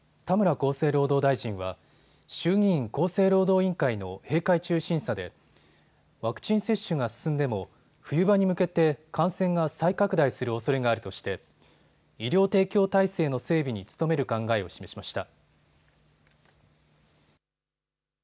厚生労働大臣は衆議院厚生労働委員会の閉会中審査でワクチン接種が進んでも冬場に向けて感染が再拡大するおそれがあるとして医療提供体制の整備に努める考えを示しました。